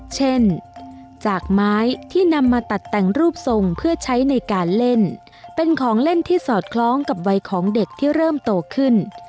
จากไม้ที่นำมาตัดแต่งรูปทรงเพื่อใช้ในการเล่นเป็นของเล่นที่สอดคล้องกับวัยของเด็กที่เริ่มโตขึ้น